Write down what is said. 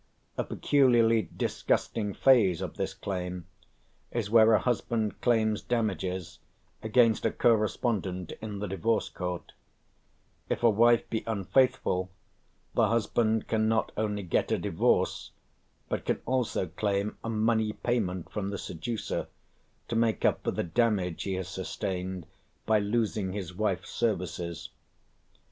A peculiarly disgusting phase of this claim is where a husband claims damages against a co respondent in the divorce court; if a wife be unfaithful, the husband can not only get a divorce, but can also claim a money payment from the seducer to make up for the damage he has sustained by losing his wife's services.